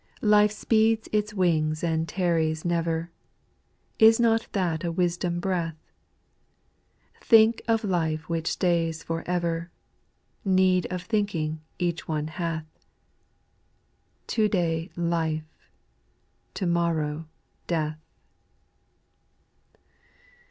Life speeds its wings and tarries never ; Is not that a wisdom breath ?— Think of life which stays for ever ; Need of thinking each one hath : To day life, to morrow death